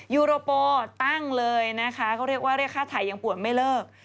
ยูโรโปตั้งเลยนะคะเขาเรียกว่าเรียกค่าถ่ายยังป่วนไม่เลิก